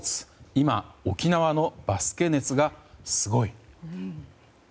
今、沖縄のバスケ熱がすごい！